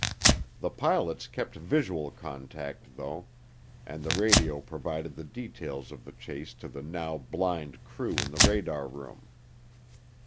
The pilots kept visual contact, though, and the radio provided the details of the chase to the now blind crew in the radar room.